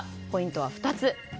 ポイントは２つ。